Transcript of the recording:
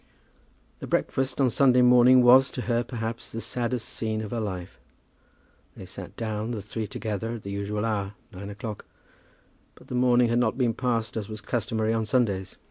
The breakfast on Sunday morning was to her, perhaps, the saddest scene of her life. They sat down, the three together, at the usual hour, nine o'clock, but the morning had not been passed as was customary on Sundays.